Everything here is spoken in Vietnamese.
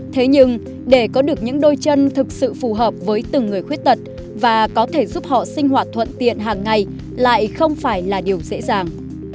thế nhưng để có được những đôi chân thực sự phù hợp với từng người khuyết tật và có thể giúp họ sinh hoạt thuận tiện hàng ngày lại không phải là điều dễ dàng